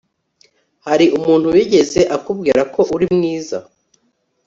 Hari umuntu wigeze akubwira ko uri mwiza